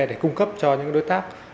để cung cấp cho những đối tác